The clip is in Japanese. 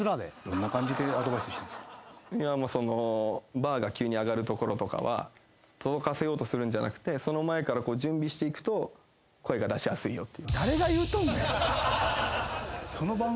バーが急に上がる所とかは届かせようとするんじゃなくてその前から準備していくと声が出しやすいよって。